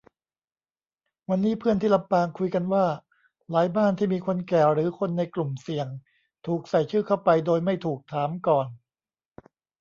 วันนี้เพื่อนที่ลำปางคุยกันว่า หลายบ้านที่มีคนแก่หรือคนในกลุ่มเสี่ยง ถูกใส่ชื่อเข้าไปโดยไม่ถูกถามก่อน